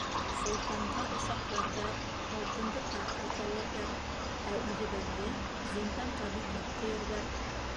Солтанға ошаҡларҙар, алтынды тартып алырҙар, ә үҙебеҙҙе зинданға бикләп ҡуйырҙар.